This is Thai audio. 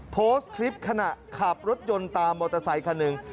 โพสต์คลิปขณะขับรถยนต์ตามมอเตอร์ไซคันหนึ่ง